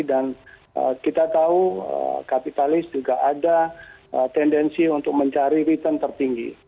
dan kita tahu kapitalis juga ada tendensi untuk mencari return tertinggi